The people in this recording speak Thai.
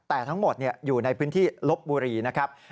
แต่ทั้งหมดอยู่ในพื้นที่ลบบุรีนะครับ